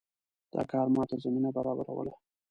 دا کار ماته زمینه برابروله.